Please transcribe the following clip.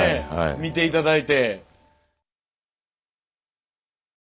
見て頂いて。